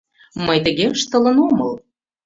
Мый тыге ыштылын омыл.